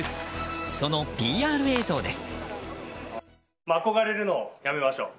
そのＰＲ映像です。